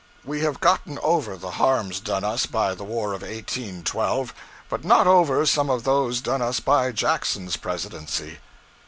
We have gotten over the harms done us by the war of 1812, but not over some of those done us by Jackson's presidency.